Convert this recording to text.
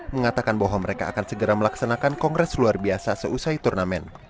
mengatakan bahwa mereka akan segera melaksanakan kongres luar biasa seusai turnamen